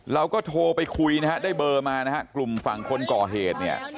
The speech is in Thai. เราก็โทรไปคุยนะฮะได้เบอร์มานะฮะกลุ่มฝั่งคนก่อเหตุเนี่ย